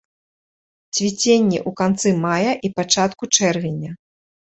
Цвіценне ў канцы мая і пачатку чэрвеня.